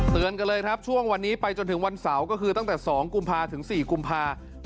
กันเลยครับช่วงวันนี้ไปจนถึงวันเสาร์ก็คือตั้งแต่๒กุมภาถึง๔กุมภา